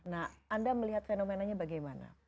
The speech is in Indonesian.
nah anda melihat fenomenanya bagaimana